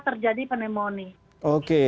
terjadi pneumonia oke